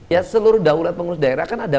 ya seluruh daulat pengurus daerah kan ada